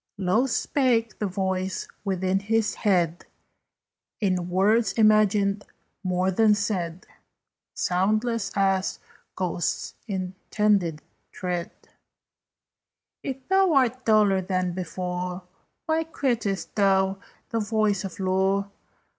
Low spake the voice within his head, In words imagined more than said, Soundless as ghost's intended tread: "If thou art duller than before, Why quittedst thou the voice of lore?